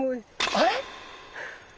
あれ？